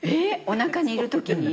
おなかにいるときに？